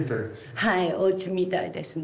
はいおうちみたいですね。